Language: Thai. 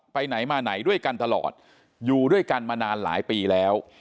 ไปไหนมาไหนด้วยกันตลอดอยู่ด้วยกันมานานหลายปีแล้ว